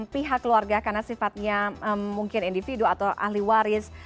pihak keluarga karena sifatnya mungkin individu atau ahli waris